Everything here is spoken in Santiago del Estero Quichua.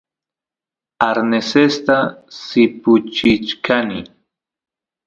arnesesta sipuchichkani